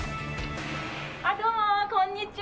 どうもこんにちは。